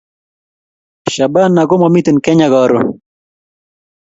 Shabana ko mamiten kenya karon